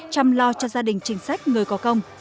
chăm lo cho gia đình chính sách người có công